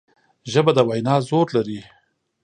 ژبه د وینا زور لري